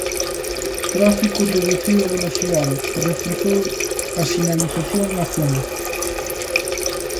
Tráfico reduciu a velocidade e reforzou a sinalización na zona.